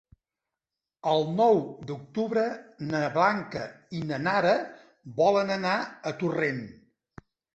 El nou d'octubre na Blanca i na Nara volen anar a Torrent.